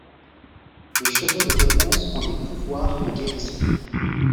Les cheveux de Raiponce ont des pouvoirs de guérison.